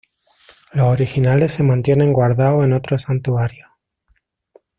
Los originales se mantienen guardados en otros santuarios.